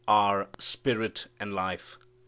are Spirit and life."